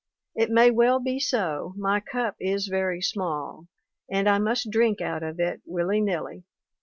It may well be so; my cup is very small, and I must drink out of it, willy nilly.